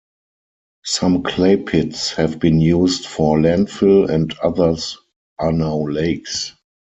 Some clay pits have been used for landfill and others are now lakes.